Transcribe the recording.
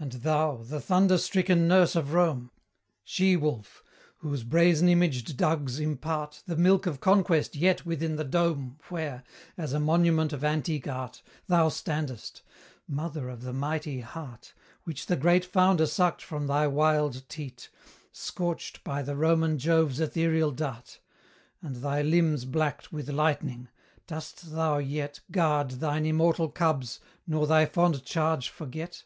And thou, the thunder stricken nurse of Rome! She wolf! whose brazen imaged dugs impart The milk of conquest yet within the dome Where, as a monument of antique art, Thou standest: Mother of the mighty heart, Which the great founder sucked from thy wild teat, Scorched by the Roman Jove's ethereal dart, And thy limbs blacked with lightning dost thou yet Guard thine immortal cubs, nor thy fond charge forget?